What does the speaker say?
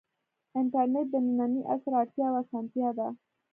انټرنیټ د ننني عصر اړتیا او اسانتیا ده.